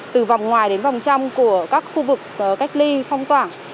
từ vòng ngoài đến vòng trăm của các khu vực cách ly phong tỏa